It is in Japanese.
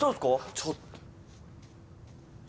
ちょっと。